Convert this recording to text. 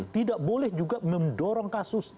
tidak boleh juga mendorong kasus